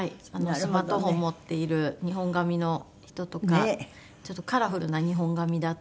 スマートフォン持っている日本髪の人とかちょっとカラフルな日本髪だったりとか。